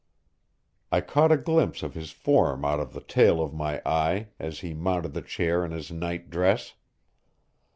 I caught a glimpse of his form out of the tail of my eye as he mounted the chair in his night dress.